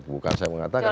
bukan saya mengatakan